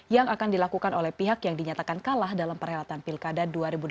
yang akan dilakukan oleh pihak yang dinyatakan kalah dalam perhelatan pilkada dua ribu delapan belas